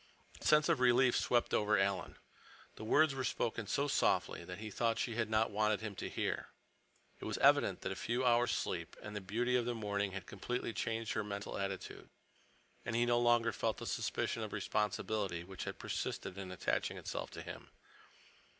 A sense of relief swept over Alan. The words were spoken so softly that he thought she had not wanted him to hear. It was evident that a few hours' sleep and the beauty of the morning had completely changed her mental attitude, and he no longer felt the suspicion of responsibility which had persisted in attaching itself to him.